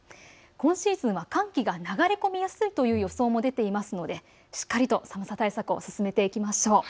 今シーズンは寒気が流れ込みやすいという予想も出ていますので、しっかりと寒さ対策を進めていきましょう。